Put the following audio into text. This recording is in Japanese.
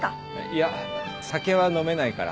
いや酒は飲めないから。